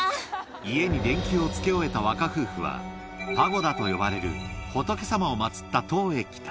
家に電球を付け終えた若夫婦は、パゴダと呼ばれる仏様を祭った塔へ来た。